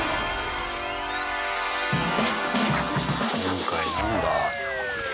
今回なんだ？